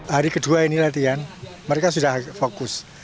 hari kedua ini latihan mereka sudah fokus